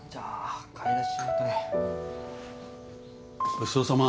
ごちそうさま。